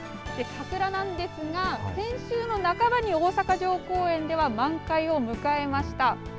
サクラなんですが先週の半ばで大阪城公園では満開を迎えました。